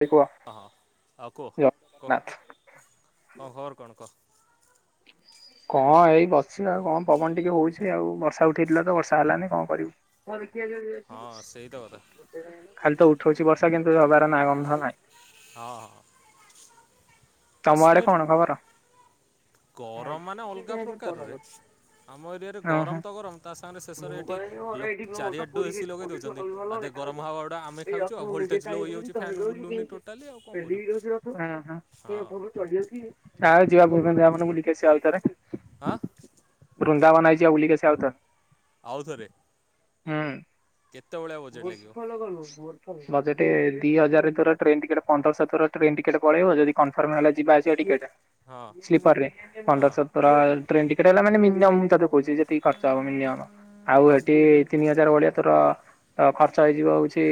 ଭାଇ କୁହ ହ ହ ଆ କୁହ ଜୟ କହ ଜଗନ୍ନାଥ। କଣ ଖବର କଣ କହ। କଣ ଏଇ ବସିବା ଆଉ କଣ ପବନ ଟିକେ ହଉଛି ଆଉ ବର୍ଷା ଉଠେଇଥିଲା ତ ବର୍ଷା ହେଲାନି କଣ କରିବୁ ଆ ହଁ ସେଇ ତ କଥା [inaudible] ଖାଲି ତ ଉଠଉଛି ବର୍ଷା କିନ୍ତୁ ହବାର ନାଁ ଗନ୍ଧ ନାହିଁ। ହଁ ହଁ ତମ ଆେ କାଶ୍ମୀର କଣ ଖବର [inaudible] ଗରମ ମାନେ ଅଲଗା ପ୍ରକାରରେ ଆମ ଏରିଆରେ ଓହୋ ଗରମ ତ ଗରମ ତା ସାଙ୍ଗରେ ଶେଷରେ ଏଠି ଲ ଚାରିଆଠୁ ଏ ସିି ଲଗେଇ ଦେଉଛନ୍ତି ଆଧ ଗରମ ହାଉଆ ଟା ଆମେ ଖାଉଛୁ ଆଉ ଭୋଲଟେଜ ଲୋ ହେଇଯାଉଛି ଫ୍ୟାନ୍ ବୁଲୁନି ଟୋଟାଲି ଆଉ କଣ କରିବୁ ହଁ। ଯାଉଛି ଯିବା ପ ଆପଣ ବୁଲିକି ଆଉଥରେ। ଆଁ। ବୃନ୍ଦାବନା [unintelligible] ଆଉଥରେ ଆଉଥରେ ହୁଁ। ଲାଗିବ [unintelligible] ବଜେଟ ଦି ହଜାର ଥର ଟ୍ରେନ ଟିକେଟ ପନ୍ଦରଶହ ଥର ଟ୍ରେନ ଟିକେଟ ପଳେଇବ ଯଦି କନଫର୍ମ ହେଲା ଯିବା ଆସିବା ଟିକେଟଟା। ହଁ ସ୍ଲିପର୍ ରେ ହଁ ପନ୍ଦରସ ଟ୍ରେନ୍ ଟିକଟ ହେଲା ମିନି ତ କହୁ ଯେତିକି ଖର୍ଚ୍ଚ ହବ ମିନିୟମ୍ ଆଉ ଏଠି ତିିନି [unintelligible] ଭଳିଆ ତାର ଖର୍ଚ୍ଚ ହେଇଯିବ ହଉଚି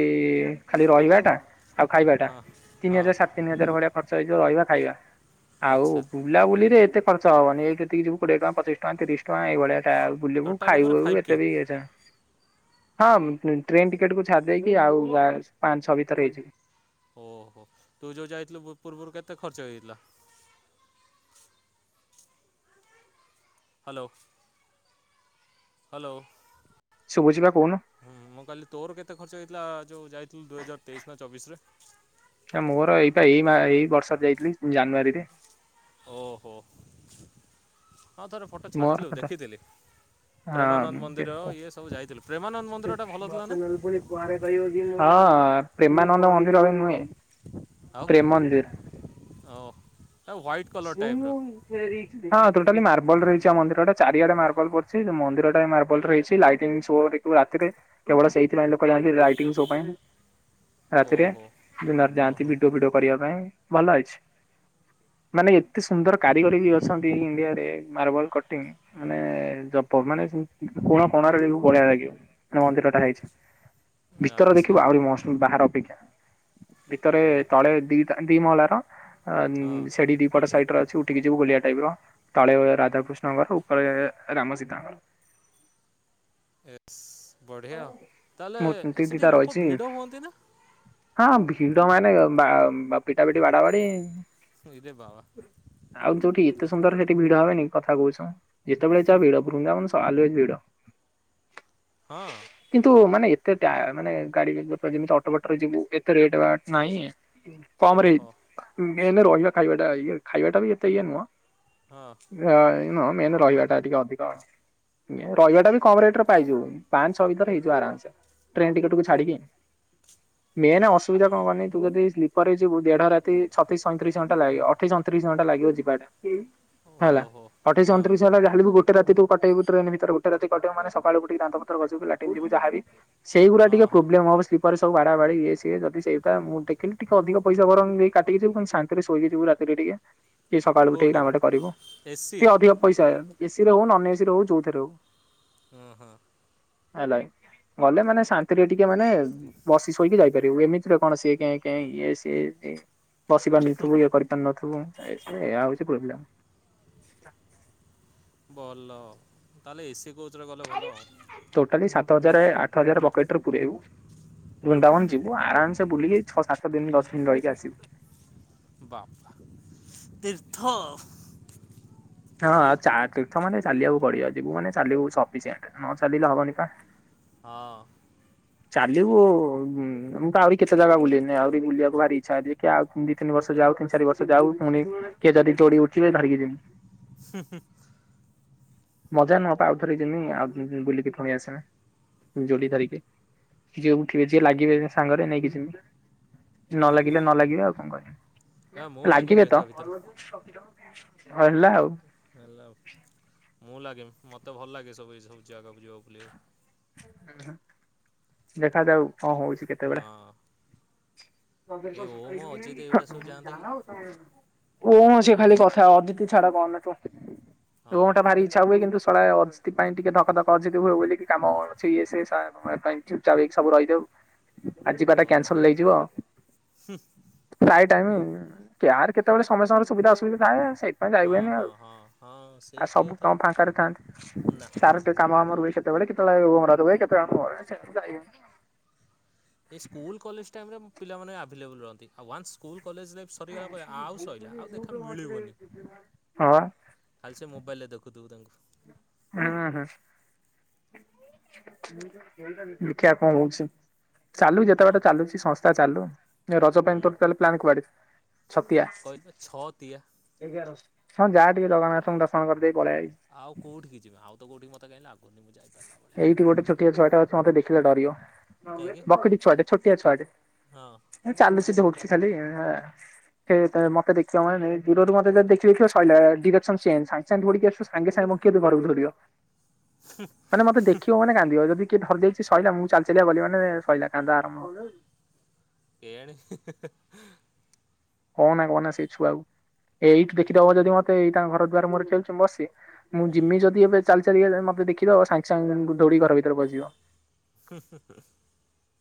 ଖାଲି ରହିବା ଟା ଆଉ ଖାଇବା ଟା ହଁ ତିନି ହଁ ହଜାର ସାତ ତିନି ହଜାର ଭଳିଆ ଖ ଇ ଯଉ ରହିବା ଖାଇବା। ଆଉ ଆଚ୍ଛା ବୁଲାବୁଲି ରେ ଏତେ ଖର୍ଚ୍ଚ ହବନି ଏଇଠୁ ଏତିକି ଯିବୁ କୋଏ ଟଙ୍କ ପଚିଶ ଟଙ୍କା ତିଶ ଟଙ୍କା ଏଇଳିଆ ଟା ବୁଲିବୁ ଟୋଟାଲ୍ ଉପରେ ଖାଇବୁ ଫାଇଭ୍ କେ ଏତେ ବି ହଁ। ଟ୍ରେନ୍ ଟିକେଟକୁୁ ଛାଡ଼ି ଦେଇକି ଆଉ ପାଞ୍ଚ ଛଅ ଭିତରେ ହେଇଯିବ। ଓହୋ ତୁ ଯୋଉ ଯାଇଥିଲୁ ପୂର୍ବରୁ କେତେ ଖର୍ଚ୍ଚ ହେଇଥିଲା? [inaudible] ହ୍ୟାଲୋ। ହ୍ୟାଲୋ। ଶୁଭୁଛି ବା କହୁନୁ [inaudible] ହୁଁ ମୁଁ କାଲି ତୋର କେତେ ଖର୍ଚ୍ଚ ଥିଲା ଯୋଉ ଯାଇଥିଲୁ ଦୁଇ ହଜାର ତେଇଶି ନା ଚବିଶ ରେ। ମୋର ଏଇଟା ଏଇ ମା ଏଇ ବର୍ଷ ଯାଇଥିଲି ଜାନୁଆରୀରେ। ଓହୋ। ହଁ ଥରେ ଫଟୋ ମର ଛାଡ଼ିଥିଲୁ [inaudible] ଦେଖିଥିଲି। ପ୍ରେମାନନ୍ଦ ମନ୍ଦିର ହଁ। ଇଏ ସବୁ ଯାଇଥିଲୁ ପ୍ରେମାନନ୍ଦ ମନ୍ଦିରଟା ଭଲ ଥିଲା ନା ପ୍ରେମାନନ୍ଦ ମନ୍ଦିର ବି ନୁହେଁ। ଆଉ। ପ୍ରେମ ମନ୍ଦିର। ଓଃ। ହଁ ଟୋଟାଲି ମାର୍ବଲ ରହିଛି ଆ ମନ୍ଦିର ଚାରିଆଡେ ମାର୍ବଲ ପଡିଛି। ମନ୍ଦିର ଟା ମାର୍ବଲ ରେ ହେଇଛି ଲାଇଟିଙ୍ଗ ସୋ ଦେଖିବୁ ରାତିରେ। କେବଳ ସେଇଥିପାଇ ଲୋକ ଯାଅନ୍ତ୍ ଲାଇଟିଂ ସୋ ପାଇଁ ରାତିରେ ଓହୋ ଦିନରେ ଯାଆନ୍ତି ଓହୋ ଭିଡିଓ ଫିଡି କରିବା ପାଇଁ ଭଲ ହେଇଚି। ମାନେ ଏତେ ସୁନ୍ଦର କାରିଗରୀ ବି ଅଛନ୍ତି ଇଣ୍ଡିଆରେ ମାର୍ବଲ କଟିଂ ମାନେ ଜପ ମାନେ କୋଣ କୋଣରେ ବି ବଢିଆ ଲାଗିବ ମାନେ ମନ୍ଦିର ଟା ହେଇଛି। ଭିତରେ ଆଚ୍ଛା ଦେଖିବୁ ଆହୁରି ମୌସୁମୀ ବାହାର ଭିତରେ ଓହୋ ତଳେ ଦିଟା ଦି ମହଲାର ହଁ ଉଁ ସେଠି ଦିପଟ ସାଇଟରେ ଅଛି ଉଠିକି ଯିବୁ ଗୋଲିଆ ଟାଇପ ର, ତଳେ ରାଧାକୃଷ୍ଣଙ୍କର, ଉପରେ ରାମ ସୀତାଙ୍କର। ଏସ୍ ବଢିଆ ତାହେଲେ ମୂର୍ତ୍ତି ଦିଟା ସେଠି ଲୋକ ରହିଛି ଭିଡ ହୁଅନ୍ତି ନା? ହଁ ଭିଡମାନେ ପିଟା ପିଟି ବାଡାବାଡି। ହୈରେ ବାବା। ଏତେ ସୁନ୍ଦର ସେଠି ଭିଡ ହବନି କଥା କହୁଛୁ। ଯେତେବେଳେ ଯାଅ ଭିଡ଼ ବୃନ୍ଦ। ଚାଲୁ ଭିଡ। ହଁ କିନ୍ତୁ ମାନେ ଏତେ ମାନେ ଗାଡି ଯେମିତି ଅଟୋ ବାଟରେ ଯିବୁ ଏତେ ରେଟଟ ନାହିଁ। ପାାମରେ ଓହୋ ଏ ନା ରହିାବା ଖାଇବାଟା ଇ ଖାଇବାଟା ବି ଏତେ ଇ ନୁହଁ। ହଁ ହଁ ନ ମେନ ରହିବା ଟା ଟିକେ ଅଧିକ ରହିବା ଟା ବି କମ ରେଟ ରେ ପାଇଯିବ। ପାଞ୍ଚ ଛଅ ଭିତରେ ହେଇଯିବ ଆରାମସେ ଟ୍ରେନ ଟିକେଟ କୁ ଛାଡିକି ମେନ ଅସୁବିଧା କଣ କନି ତୁ ଯଦି ସ୍ଲିପର ହେଇଯିବ ଦେଢ ରାତି ତିଶ ସଇଁତିରିଶ ଘଣ୍ଟା ଲାଗିବ ଅଠେଇଶ ଅଣତିରିଶ ଘଣ୍ଟ ଲାଗିବ ଯିବାଟା ହେଲା ଓହୋ ଅଠେଇଶ ହଁ ଅଣତିରିଶ ଘଣ୍ଟା ଯାଲେ ବି ଗୋଟେ ରାତି ତୁ କଟେଇବୁ ଟ୍ରେନ ଭିତରେ ଗୋଟେ ରାତି କଟେଇବ ମେ ସକାଳୁ ଉଠିକି ଦାନ୍ତ ଲାଟିନ୍ ଯିବୁ ଯାହାବି ସେଇଗୁଡା ହଁ ଟିକେ ହଁ ପ୍ରୋବେଲମ ହବ। ତାରେ ସବୁ ବାଢା ବାଢଡି ଇଏ ସିଏ ଯଦି ସେଇଟା ମୁଁ ଦେଖିଲି ଟିକେ ଅଧିକ ପଇସାର କାିକି ଯିବ ଶାନ୍ତିରେ ଶୋଇକି ଯିବୁ ରାତିରେ ଟିକେ। କିଏ ସକାଳକୁଠିକ କାମ କେଉଁଟାରେ ଟେ କରିବ ଟିକେ ଏସିରେ ଅଧିକ ପଇସା ଏସିରେ ହଉ ନନ୍ ଏସି ର ହଉ ଯୋଉଥିରେ ହଉ। ଓ ହୋ ହେଲା ଗଲେ ମାନେ ଶାନ୍ତିରେ ଟିକେ ମାନେ ବସି ଶୋଇକି ଯାଇପାରିବୁ ଏମିତିରେ କଣ ସିଏ କେ କେ ଇଏ ସିଏ ବସି ପାରୁନଥିବୁ ଇଏ କରିପାରୁନଥିବୁ ଏ ଏହା ହଉଛି ପ୍ରୋବ୍ଲେମ। ଭଲ ତାହେ ଏସି କର। ଭିତରେ ଗଲେ ଭଲ ଆଉ। ସ ହଜାର ଆଠ ହଜାର ପକେଟରେ ପୂୁରଇବୁ ବୃନ୍ଦାବନ ଯିବୁ ଆରାମସ ବୁଲିକି ଛଅ ସାତ ଦିନ ଦଶ ଦିନ ରହିକି ଆସିବୁ। ବାପା ତୀର୍ଥ। ହଁାନେ ଚାଲିବାକୁ ପଡିବ ଯିବୁ ମାନେ ଚାଲିବୁ ସଫିସିଣ୍ଟ ନ ଚାଲିଲେ ହବନି ବା। ହଁ ଚାଲିବୁ ମୁଁ ତ ଆହୁରି କେତେ ଜାଗା ବୁଲିନି ଆହୁରି ବୁଲିବାକୁ ଭାରି ଇ୍ଛାଉ ଦି ତିନି ବର୍ଷ ଯାଉ ତିନି ଚାରି ବର୍ଷ ଯାଉ ପୁଣି କିଏ ଯଦି ଦୋଡି ଉଠିବେ ଧରିକି ଯିବୁ ହୁ ହ ମଜା ନୁହ ଆଉଥର ଯମି ଆଉ ବୁଲିକି ପୁଣି ଆସିବେ ଯୋଡି ଧରିକି ଯିଏ ଉଠିବେ ଯିଏ ଲାଗିବେ ସାଙ୍ଗରେ ନେଇକି ଯମି ନ ଲାଗିଲେ ନ ଲାଗିବେ ଆଉ କଣ ଏ ମୁଁ କରିବା। ଲାଗିମି ଲାଗିିବ ବେ ତ। ତା ଭିତରେ ହେଲା ଆଉ ମୁଁ ଲାଗେ ମତେ ଭଲ ଲାଗେ ସବୁ ଏ ସବୁ ଜଗା ଯିଆ ବୁଲିବାକୁ ଦେଖାାଯାଉ ହଁ ହଉଛି କେତେବେଳେ ହଁ ତ ଜ [inaudible] ଏ କ ଓମ ଅଜିତ ଏଇଗୁଡ଼ା ସବୁ ଯାଆନ୍ତେ କି ସେ ଖାଲି କଥା ଅଦିତତି ଛାଡା କଣ ତୁ। ହଁ ଲଟା ଭାର ଇଚ୍ଛା ହୁଏ ଶଳା ଅ ସେଥିପ ପାଇଁ ଟିକେ ଧକା ଧକ୍କ ଅ ଯଦି ହୁଏ ବୋଲିକି କାମ ଅଛି ଚା ସବୁ ରହିଦେଉ। ଆ ଯିବା ଟା ଓହୋ କ୍ୟାନସଲ ହେଇଯିବ। ଶାଇ ଟ ଆମ କୋର କେତେଳେ ସମୟଙ୍କରେ ସୁବିଧାସବିଧା ଏ ସେଇଥିପାଇଁ ଯାଇ ହଁ ହନି ଆଉ ହଁ ହଁ ହଁ ଆଉ ସେଇ ତ ସବୁ କଥା କାମ ଆଉ ଫାଙ୍କ ନା ଥାନ୍ତନ୍ତି। ଚାରୋଟି କାମ ଆମର ହୁଏ ସେତେବେଳେ କେତେବେଳେ କେତାଣ ଇ ସ୍କୁଲ କଲେଜ ପିଲାମାନେ ଆଭେଲେବଲ ରହନ୍ତି। କଲେଜ ଲାଇଫ୍ ସରିଗଲା ପରେ ଆଉ ସରିଲା ଆଉ ଦେଖା ମିଳିବନି। ହଁ ଖାଲି ସେ ମୋବାଇଲରେ ଦେଖୁଥିବୁ ତାଙ୍କୁ। ହଁ ହଁ ଦେଖା କଣ ହୋଉଛି। ଚାଲୁ ହଁ ଯେତେବେଳେ ଚାଲୁଛି ସଂସ୍ଥା ଚାଲୁ ରଜ ପାଇଁ ହୁଁ ପ୍ଲାନ୍ କୁଆଡେ। ଛତିଆ କହିଲି ପା ଛତିଆ ଏଗାର ହଁ ଯାହା ଟିକେ ଜଗନ୍ନାଥଙ୍କୁ ଦଶନ କର କରି ଆଉ କୋଉଠିିକ କି ଯିବେ ଆଉ ତ ଗୋଠ ମତ କହିଁ ଗିବ ଏଇଠି ଗୋଟେ ଛୋଆଛେଟା ଅଛ ମତେ ଦେଖି ଦେଖଲେ ଡରିବ। କାହିଁକି ବକଡି ଛୁଆଟେ ଛୋଟିଆ ଛୁଆଟେ ହଁ ଚାଲୁ ସେ ଖା ମତେ ଦେଖେ ଦ ଦେଖି ଦେଖ ସାଙ୍ଗେ ସାଙ୍ଗିକି ଆସ ସାଙ୍ଗେ ସାଙ୍ଗେ ଘରକୁ ଧିବ ମାନେ ମତେ ଦେଖିବ ମାନେ କାନ୍ଦିବ ଯଦି ଟିକେ ଧରି ଦେଇେଇଛି ସରିଲା ମୁଁ ଚାଲିଚ ବୋଲି ମାନ ସରିଲା କାନ୍ଦ ଆରମ୍ଭ। କେଣି କ ନା କହନା ସେଇ ଛୁଆକୁ। ଏଇଠି ହୁଁ ଦେଖିଦବ ଯଦି ମତେ ଏଇ ତା ଘର ଦଵାର ମୋର ଚାଳଚଛି ମସି ମୁଁ ହୁଁ ଜିମି ଯଦି ଏବେ ଚାଲି ମତେ ଦେଖି ସାଙ୍ଗେ ସାଙ୍ଗିନ ଦୌଡି ଘର ଭିତରେ ବସିବ।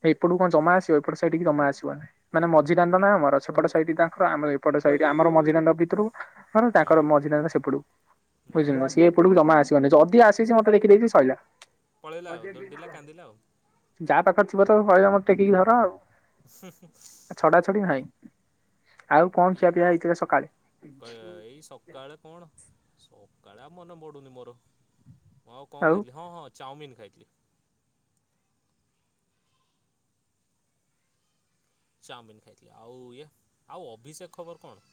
ଏ ଏପଟୁ କଣ ଜମା ଆସିବ ଏପଟ ସେଇଠିକି ଜମା ଆସିବ ମାନ ମଝି ଦାଣ୍ଡ ନାଁ ଆମର ସେପଟେ ସ ତାଙ୍କର ଆମର ଏପଟେ ସଡ ଆମ ମଝିରାଙ୍ଗଙ୍କ ଭିତରୁ ମ ତାଙ୍କର ହୁଁ ମଝ ସେପଟକୁ ବୁଝିଲ ଓହୋ ସିଏ ଏପଟକୁ ଜମା ଆସ ଯଦି ଆସିଛି ମତେଖି ଦେଇଛି ଶଇଲା। ପଳେଇଲା ଆଉ ଦୋଡିଲା କାନ୍ଦିଲା ଆଉ। ଯାହା ପାଖରେ ଥିବ ତ ହଳ ମର ଟେକିକି ଧର ଆଉ ଛଡା ଛଡି ନାଇଁ ଆଉ କଣ ଇ ଖିଆପିଆ ହେଇଥିଲା ସକାଳେ ଏଇ କାଳେଆ ମନେ ପଡୁନି ମୋର ହ ଆଉ କଣ ଖାଇଥିଲି ହଁ ହଁ ଚାଉମିନ ଖ ଖାଇଥିଲି ଚାଉମିିନ ଖାଇଥିଲ ଆଉ ଇଏ ଆଉ ଅଭିଷେକ ଖବର କଣ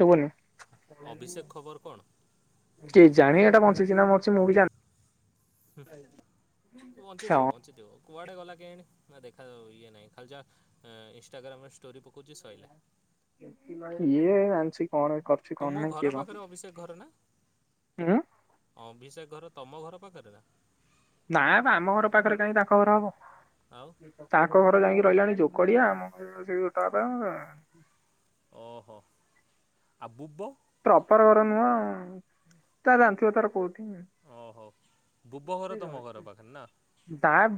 ଶୁବନି ଅଭିଷେକ ଖବର କଣ କିଏ ଜାଣି ଏଇଟା ବଞ୍ଚିଛି ନା ବଞ୍ଚି ମୁଁ ବି ଜାଣିନି ହ କୁଆଡେ ଗଲା କେଆଣି ନା ଦେଖାାଉ ଇଏ ନାହିଁ ଖାଲି ଯା ଇନଷ୍ଟଟାଗ୍ରାମରେ ଷ୍ଟୋରି ପକଉଛି ସରିଲା ମାନସିକ ତୁମ ଘର ପାଖରେ ଅଭିଷେକ ଘର ନା ଉଁ ଅଭିଷେକ ଘର ତମ ଘର ପାଖରେ ନା ନା ବା ଆମ ଘର ପାଖରେ କାହିଁ ତାଙ୍କ ଘର ହବ ଆଉ ତାଙ୍କ ଯାଇକି ରହିଲାଣି ଝୋକଡିଆ ଆମ ଘ ସେ ଗୋଟା ଓହୋ ଆଉ ବୁବ ତା ଅପାର ଘର ନୁ ତରନ୍ତ ତାର କହୁ ଓହୋ ବୁବ ଘର ତମ ଘର ପାଖରେ ନା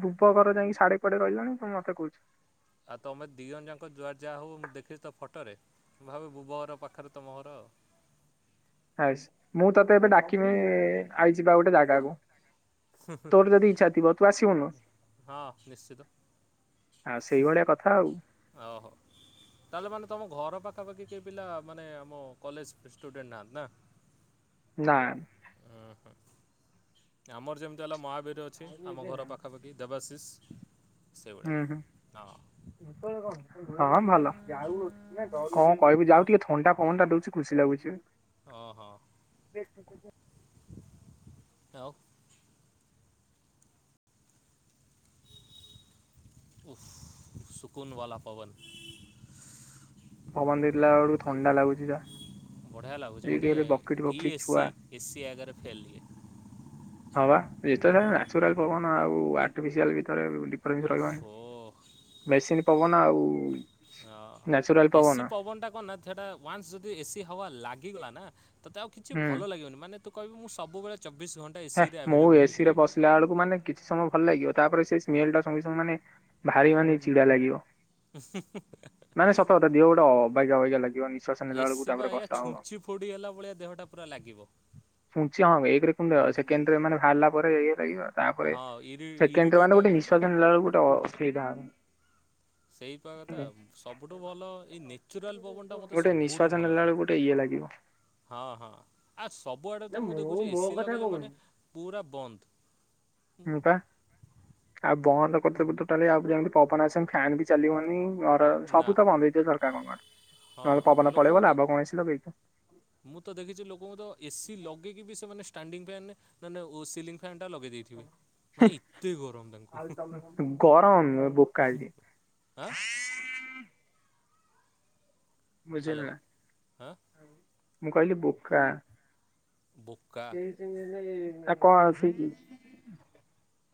ବୁବ ଘର ଯାଇ ସାଢଡେ ଏପଟେ ରହିଲାଣି ତମ ମତେ କହୁଛି ଆଉ ତମେ ଦିଜଣ ଯାକ ଯୁଆର ଯାହା ହବ ମୁଁ ଦେଖିଛି ତ ଫଟୋରେ ମୁ ଭାବି ଭୁବ ଘର ପାଖରେ ତମ ଘର ଆଉ ଆ ମୁଁ ତତେ ଏବେ ଡାକିନି ଆଇଯିବା ଗୋଟେ ଜାଗାକୁ ହଁ ତୋର ଯଦି ଇଚ୍ଛା ଥିବ ତୁ ଆସିବୁନୁ ନିଶ୍ଚିତ ଆଉ ସେଇଭଳିଆ କଥା ଆଉ ଓହୋ ତାହେଲେ ମାନେ ତମ ଘର ପାଖ ପାଖାପାଖି କି ପିଲା ମାନେ ଆମ କଲେଜ ଷ୍ଟୁଡେଣ୍ଟ ନାହାନ୍ତି ନା ହଁ ଉଁ ଆମର ଯେମିତି ହେଲା ମହାବୀର ଅଛି ଆମ ଘର ପାଖାପାଖି ଦେବାଶିଷ ସେଇଭଳିଆ ହଁ ହଁ ହଁ ଭଲ ଯାଉ କଣ କହିବି ଯାଉ ଟିକେ ଫଣ୍ଣ୍ଡା ଫଣ୍ଟା ଦଉଛି ଖୁସି ଲାଗୁଛି ଓ ହୋ [unintelligible] ଆଉ ଓଫ ସୁକୁନ ବାଲା ପବନ ପବନ ଧରିଲା ବେଳକୁ ଥଣ୍ଡା ଲାଗୁଛି ତ ବଢ଼ିଆ ଲାଗୁଛି ମୋତେ କି ଛୁଆ ଏସିି ଏସିି ଆଗରେ ଫେଲ ଇଏ ହଁ ବା ଯେତବେେଳେ ନ୍ୟାଚୁରାଲ ପବନ ଆଟୁଫିସିଆଲ ଭିତରେ ଡି ଫ୍ରେନ୍ସ ରହିବନି ଓହୋ ମେସିନ ପବନ ଆଉ ହଁ ନ୍ୟାଚୁରାଲ ପବନ ଏସିି ପବନଟା କଣ ନା ସେଟା ୱାନ୍ସ ଯଦି ଏସି ହୱା ଲାଗ୍ ଇଗଲା ନା ତତେ ଆଉ କିଛି ହୁଁ ଭଲ ଲାଗିବନି ମାନେ ତୁ କହିବୁ ମୁଁ ସବୁବେଳେ ଚବିଶ ଘଣ୍ଟା ହେ ଏସିରେ ମୁଁ ଆଭେଲେବୁଲ୍ ହେଇକି ଏସିରେ ରହିବି ପଶିଲା ବେଳକୁ ମାନେ କିଛି ସମୟ ଭଲ ଲାଗିବ ତାପରେ ସେ ସ୍ମେଲଟା ସଙ୍ଗେ ସଙ୍ଗେ ମାନେ ଭାରି ମାନେ ଚିଡା ଲାଗିବ। ମାନେ ସତ କଥା ଦିହ ଗୋଟେ ଅବାଗିଆ ଅବାଗିଆ ଲାଗିବ ନିଶ୍ୱାସ ନେଲା ବେଳକୁ ଏସି ବା ତାପରେ ଏଇଆ କଷ୍ଟ ହବ। ଛୁଞ୍ଚି ଫୋଡି ହେଲା ଭଳିଆ ଦେହଟା ପୁରା ଲାଗିବ। ପୁଞ୍ଚ ହଁ ଏକରେ ସେକେଣ୍ଡରେ ମାନେ ଭାରିଲା ପରେ ଇଏ ଲାଗିବ ତାପରେ ହଁ ଇରି ସେକେଣ୍ଡରେ ଇରିଟେଟ୍ ମାନେ ଗୋଟେ ଟାଇପ୍ର ବା ନିଶ୍ଵାସ ନେଲାବେଳକୁ ଅସୁବିଧା [unintelligible] ସେଇପା କଥା ସବୁଠୁ ଭଲ ଏଇ ନେଚୁରାଲ ପବନ ଟା ମତେ ଗୋଟେ ସବୁଠୁ ନିଶ୍ଵାସ ଭଲ ନେଲା ଲାଗେ ବେଳକୁ ଗୋଟେ ଇଏ ଲାଗିବ ହଁ ହଁ ଆ ସ୍ ସବୁଆଡେ ତ ମୁଁ ଦେଖୁଛି ଏସି ଲଗେଇଲେ ମାନେ ପୁରା ବନ୍ଦ। ହୁଁ ପା ଆଉ [unintelligible] ପବନ ଫ୍ୟାନ୍ ବି ଚାଲିବନି। ଘର ନା ସବୁ ତ ବନ୍ଦ ହେଇଯିବ ସରକାରଙ୍କର ହଁ ନହେଲେ ପବନ ଲୋକଙ୍କୁ ପଳେଇବ ତ ନା [unintelligible] କଣ ଏସି ଲଗେଇଚ। ଏସି ଲଗେଇକି ବି ସେମାନେ ଷ୍ଟାଣ୍ଡିଙ୍ଗ ଫ୍ୟାନ ମାନେ ଓ ସିଲିଙ୍ଗ ଫ୍ୟାନଟା ଲଗେଇ ଦେଇଥିବେ ମାନେ ଏତେ ଗରମ ତାଙ୍କୁ [unintelligible] ଆଁ [unintelligible] ବୁଝେ ହ୍ୟାଲୋ ନା ଆଁ ମୁଁ କହଲି ବୋକା। ବୋକା ସେଇ ସେ ଏ କଣ ଅଛି।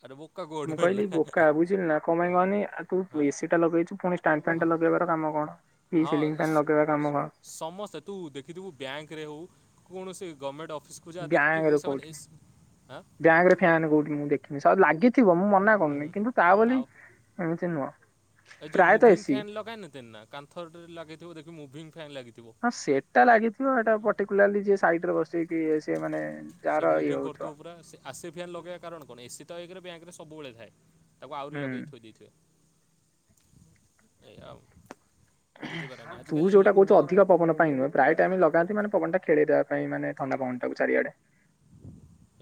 ଆରେ ବୋକା କୋଉଠୁ ମୁଁ ହେଲା କହିଲି ବୋକା ବୁଝିଲ ନା କଣପାଇଁ କହନି ଆଉ ହଁ ତୁ ଏସି ଟା ଲଗେଇଚୁ ଫୁଣି ଷ୍ଟାଣ୍ଡ ହଁ ଫ୍ୟାନଟା ଲଗେଇବାର କାମ କଣ କି ହଁ ସିଲିଙ୍ଗଫ୍ୟାନ୍ ଲଗେଇବାରସକାମ କଣ? କୋଣସି ଗର୍ମେଣ୍ଟ ଅଫ୍ ବ୍ୟାଙ୍କରେ କୋଉଠିି ଆଁ ବ୍ୟାଙ୍କରେ ଫ୍ୟାନ କୋଉଠି ମୁଁ ଦେଖିନି। ତା ଲାଗି ଥିବ ମୁଁ ମନା କରୁନି ହୁଁ କିନ୍ତୁ ତା ବୋଲି ଏମିତି ନୁହଁ। ଏଇ ଯୋଉ ପ୍ରାୟତଃ ମୁଭିଂ ଏସି ଫ୍ୟାନ୍ ଲଗାଇନ ତେନା କାନ୍ଥରରେ ଲଗାଇଥିବ ଦେଖିବୁ ମୁଭିଙ୍ଗ ଫ୍ୟାନ୍ ଲାଗିଥିବ। ହଁ ସେଟା ଲାଗିଥିବ ଏଇଟା ପର୍ଟିକୁଲାରଲି ଯିଏ ସାଇଟ୍ରେ ବସ ସେ ମୁଭିଂ ହଉଥିବ। କରୁଥିବ ପୁରା ସେ ଆସିଫିଆନ୍ ଲଗେଇବା କାରଣ କଣ ଏସି ତ ଏକରେ ବ୍ୟାଙ୍କ ରେ ସବୁବେଳେ ଥାଏ ତାକୁ ଆହୁରି ଲଗେଇଥୋଇ ଦେଇଥିବେ ଏୟା ଆଉ। ବୁଝିପାରେ ନା ତୁ ଆଜିକାଲି ଯୋଉଟା ଲୋକ କ କହୁଛୁ ଅଧିକା ପବନ ପାଇଁ ନୁହେଁ ପ୍ରାୟ ଟାଇମ ଲଗାନ୍ତି ମାନେ ପବନ ଟା ଖେଳେଇ ଦଵା ନାଇଁ ମାନେ ଥଣ୍ଡା ପଵନ ଟାକୁ ଚାରିଆଡେ।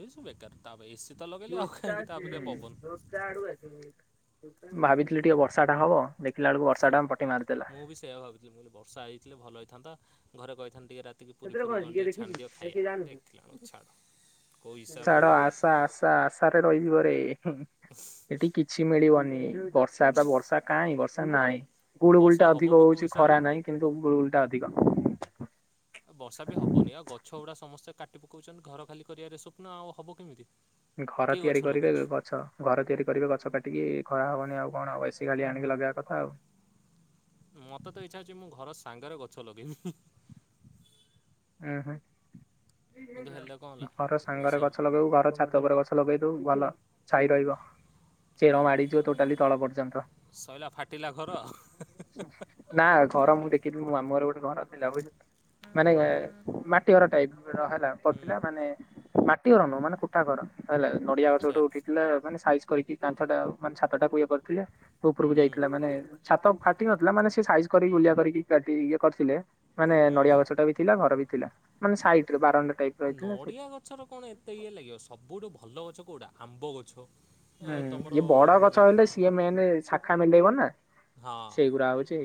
ଏ ସବୁ ବେକାର ତା ଏସି ତ ଲଗେଇଲେ ଆଉ ରୋଜଗାର କାହିଁକି ତା ଅପେକ୍ଷା ପବନ ରଜଗାର ଆଡୁ ଅଛି [unintelligible] ଭାବିଥିଲି ଟିକେ ବର୍ଷା ଟା ହବ ଦେଖିଲା ବେକୁ ବର୍ଷା ଟା ମାରିଦେଲା। ମୁଁ ବି ସେୟିଆ ଭାବୁଥିଲି ବର୍ଷା ହୋଇଛି ଭଲ ହେଇଥାନ୍ତା ଘରେ କହି [unintelligible] ଦେଖିଲା ବେଳକୁ ଛାଡ଼ କେଉଁ ହିସାବରେ ଛାଡ କହିବି ଆଶା ଆଶା ଆଶାରେ ରହିଯିବରେ ସେଠି କିଛି ମିଳିବନି ହୁଁ। [unintelligible] ବର୍ଷା ବା ବର୍ଷା କାଇଁ ବର୍ଷା ନାହିଁ ଗୁଳୁ ଗୁଳି ବର୍ଷା ଟା ହେବ ଅଧିକ ବି କେଉଁ ହଉଛି ହିସାବରେ ଖରା ନାହିଁ କିନ୍ତୁ ଗୁଳ ଗୁଳି ଟା ଅଧିକ ହସ୍ [inaudible] ବର୍ଷା ବି ହବନି ଆଉ ଗଛ ଗୁଡା ସମସ୍ତେ କାଟି ପକାଉଛନ୍ତି ଘର ଖାଲି କରିବାରେ ସ୍ୱପ୍ନ ଆଉ ହବ କେମିତି ଘର କିଏ ଗଛ ତିଆରି କରିବେ ଲଗାଉଛି ଗଛ ଘର ତିଆରି କରିବେ ଗଛ କାଟିକି ଖରା ହବନି ଆଉ କଣ ଆଉ ଏସୀ ଖାଲି ଆଣିକି ଲଗେଇବା କଥା ଆଉ ମତେ ତ ଇଚ୍ଛା ହଉଛି ମୁଁ ଘର ସାଙ୍ଗରେ ଗଛ ଲଗେଇବି ହୁଁ ହୁଁ। କିନ୍ତୁ ହେଲେ କଣ ହେଲା ଘର ସାଙ୍ଗରେ ଗଛ ସେମିତି ଲଗେଇବୁ ଘର ଛାତ ଉପରେ ଗଛ ଲଗେଇ ଭଲ ଛାଇ ରହିବ ଚେର ମାଡିଯିବ ଟୋଟାଲି ତଳ ପର୍ଯ୍ୟନ୍ତ ସଇଲା ଫାଟିଲା ଘର ନା ଘର ମୁଁ ଦେଖଥିଲି ମୁଁ ମାମୁ ଘର ଗୋ ଘରଥିଲା ବୁଝିଲୁ ମାନେ ହୁଁ ମାଟି ଘର ଟାଇପ୍ ରହଲା ହୁଁ [unintelligible] ମାନେ ମାଟି ଘର ନୁହେଁ ମାନେ କୋଠା ଘର। ହେଲା ନଡିଆ ଆଚ୍ଛା ଗଛଠୁ ଉଠିଥିଲା ମାନେ ସାଇ କରିକି କାନ୍ତ ଟା ଆଉ ମାନେ ସାତଟାକୁ ଇଏ କରୁଥିଲେ ଉପରକୁ ହୁଁ ଯାଇଥିଲା ମାନେ ଛାତ ଫାଟି ନଥିଲା ମାନେ ସେ ସାଇଜ୍ କରିକି ଓଲିଆ କରିକି କାଟି ଇଏ କରିଥିଲେ ମାନେ ହୁଁ ନଡିଆ ଗଛଟା ବି ଥିଲା ଘର ବି ଥିଲା ମାନେ ସାଇରେ ବାର ନଡିଆ ଗଛର କଣ ଏତେ ଇଏ ଲାଗିବ ସବୁଠୁ ଭଲ ଗଛ କଉଟା ଆମ୍ବ ଗଛ? ଏ, ହୁଁ ତମର ଇଏ ବଡ ଉଁ, ଗଛ ହେଲେ ସିଏ ମେେ ଶାଖା ଟବ ନା ହଁ ସେଇଗୁରା ହଉଛି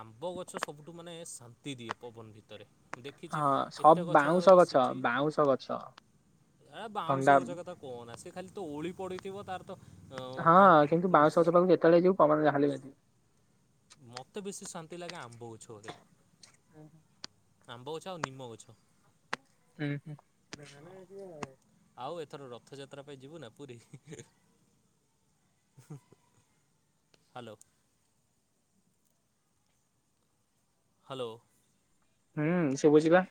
ଆମ୍ବ ଗଛ ସବୁଠୁ ମାନେ ଶାନ୍ତି ଦିଏ ପବନ ଭିତରେ ଁ ଦେଖିଛି ହଁ ସବ ଏତେ ଗଛ ବାଉଁଶ ମୂଳେ ବସିଛି ବାଉଁଶ ଗଛ ଆ ବାଉଁଶ ଥଣ୍ଡା ଗଛ କଥା କଣ ସେ ଖାଲି ତ ଓଳି? ପଡ଼ି଼ଥିବ ତାର ତ ଅ, ହଁ କଣ- କିନ୍ତୁ ବାଉଁଶହଷ ପାଖକୁ ଯେତେବେଳେ ଯିବୁ କା ହେ ମତେ ବେଶୀ ଶାନ୍ତି ଲାଗେ ଆମ୍ବଉ ଛୁଆରେ ହ ହ [unintelligible] ଆମ୍ବ ଗଛ ଆଉ ନିମ୍ବ ଗଛ। ହୁଁ। ଆଉ ଆଉ ଏଥର ରଥଯାତ୍ରା ପାଇଁ ଯିବୁ ନା ପୁରୀ ହ୍ୟାଲୋ ହ୍ୟାଲୋ ହୁଁ ସେ ଶୁଭୁଛିପା।